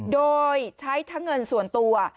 โดยใช้ทั้งเงินส่วนตัว